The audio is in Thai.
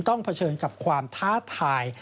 เผชิญกับความท้าทาย